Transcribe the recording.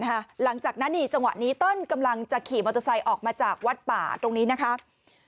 หลังจากนั้นนี่จังหวะนี้ต้นกำลังจะขี่มอเตอร์ไซค์ออกมาจากวัดป่าตรงนี้นะครับ